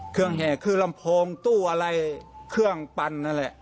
เครื่องแห่คือลำโพงตู้อะไรเครื่องปัน